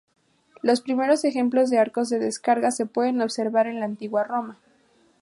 Los primeros ejemplos de arcos de descarga se pueden observar en la antigua Roma.